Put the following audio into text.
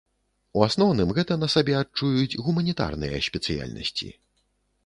У асноўным гэта на сабе адчуюць гуманітарныя спецыяльнасці.